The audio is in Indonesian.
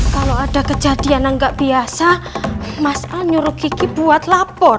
kalau ada kejadian yang gak biasa mas anjurukiki buat lapor